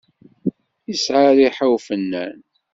Yesεa rriḥa ufennan.